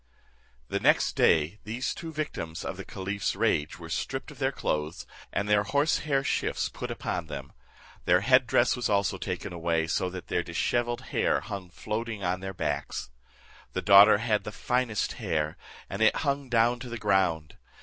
The next day, these two victims of the caliph's rage were stripped of their clothes, and their horse hair shifts put upon them; their head dress was also taken away, so that their dishevelled hair hung floating on their backs. The daughter had the finest hair, and it hung down to the ground.